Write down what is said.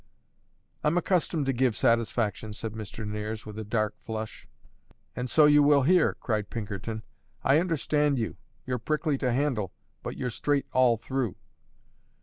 "I'm accustomed to give satisfaction," said Mr. Nares, with a dark flush. "And so you will here!" cried Pinkerton. "I understand you. You're prickly to handle, but you're straight all through."